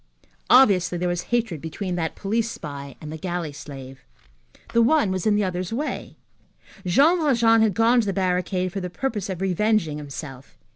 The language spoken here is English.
Obviously, there was hatred between that police spy and the galley slave. The one was in the other's way. Jean Valjean had gone to the barricade for the purpose of revenging himself.